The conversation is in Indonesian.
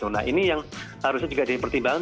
nah ini yang harusnya juga dipertimbangkan